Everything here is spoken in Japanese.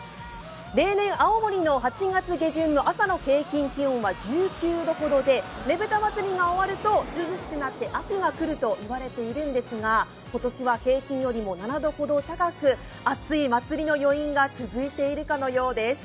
例年青森の８月下旬の朝の平均気温は１９度ほどでねぶた祭が終わると涼しくなって、秋が来るといわれているんですが、今年は平均よりも７度ほど高く、熱い祭りの良いんが続いているかのようです。